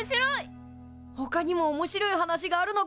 ほかにもおもしろい話があるのかな？